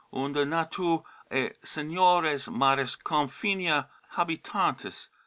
. Unde nautae et seniores maris con finia habitantes